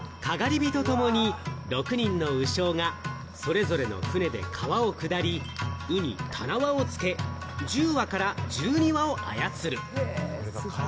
篝火とともに６人の鵜匠がそれぞれの舟で川を下り、鵜に手縄をつけ、１０羽から１２羽を操る。